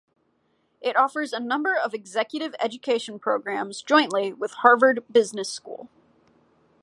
It offers a number of Executive Education programs jointly with Harvard Business School.